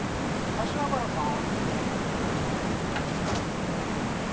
柏原さん。